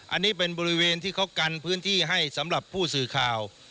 อันนี้เป็นบริเวณที่เขากันพื้นที่ให้สำหรับผู้สื่อข่าว